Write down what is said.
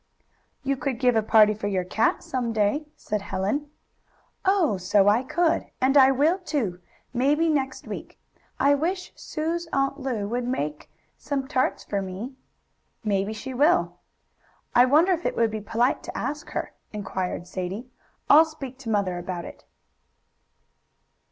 "You could give a party for your cat, some day," said Helen. "Oh, so I could! And I will, too maybe next week. I wish Sue's Aunt Lu would bake some tarts for me." "Maybe she will." "I wonder if it would be polite to ask her?" inquired Sadie. "I'll speak to mother about it."